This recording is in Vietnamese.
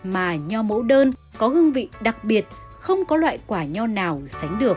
mà nho mẫu đơn có hương vị đặc biệt không có loại quả nho nào sánh được